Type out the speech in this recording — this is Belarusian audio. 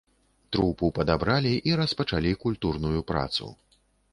Трупу падабралі і распачалі культурную працу.